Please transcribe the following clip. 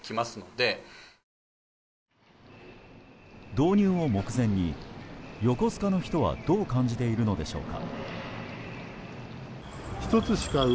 導入を目前に横須賀の人はどう感じているのでしょうか。